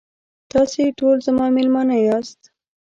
تاسې ټول زما میلمانه یاست.